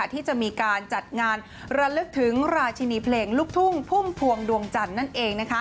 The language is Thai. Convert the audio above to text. ที่จะมีการจัดงานระลึกถึงราชินีเพลงลูกทุ่งพุ่มพวงดวงจันทร์นั่นเอง